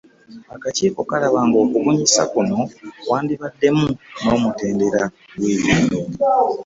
Akakiiko kalaba ng’okubunyisa kuno kwandibaddemu n’omutendera gw’ebyalo.